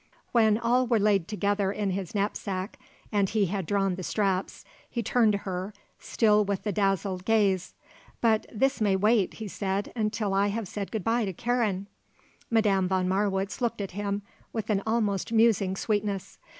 When all were laid together in his knapsack and he had drawn the straps, he turned to her, still with the dazzled gaze. "But this may wait," he said, "until I have said good bye to Karen." Madame von Marwitz looked at him with an almost musing sweetness.